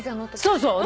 そうそう。